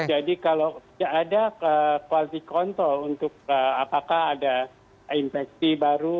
jadi kalau tidak ada kualitas kontrol untuk apakah ada infeksi baru